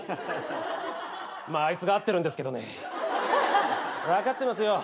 まああいつが合ってるんですけどね。分かってますよ。